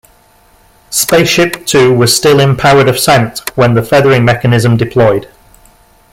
SpaceShipTwo was still in powered ascent when the feathering mechanism deployed.